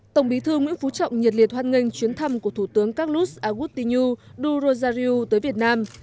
tổng bí thư nguyễn phú trọng nhiệt liệt hoan nghênh chuyến thăm của thủ tướng carlos agustinu du rosario tới việt nam